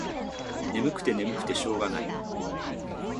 ねむくてねむくてしょうがない。